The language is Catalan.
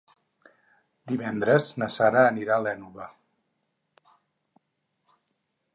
Divendres na Sara anirà a l'Énova.